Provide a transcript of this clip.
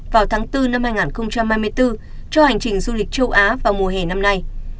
vào tháng bốn năm hai nghìn hai mươi bốn cho hành trình du lịch châu á vào mùa hè năm nay